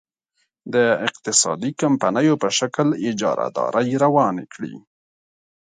د اقتصادي کمپنیو په شکل اجارادارۍ روانې کړي.